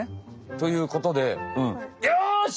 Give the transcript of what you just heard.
ということでよし！